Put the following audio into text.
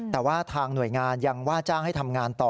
แต่ว่าทางหน่วยงานยังว่าจ้างให้ทำงานต่อ